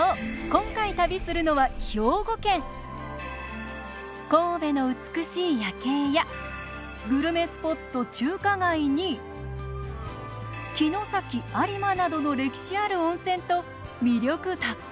今回旅するのは神戸の美しい夜景やグルメスポット中華街に城崎・有馬などの歴史ある温泉と魅力たっぷりの土地。